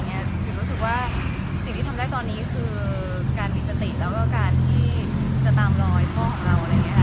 ฉันรู้สึกว่าสิ่งที่ทำได้ตอนนี้คือการผิดสติแล้วก็การที่จะตามรอยข้อของเรา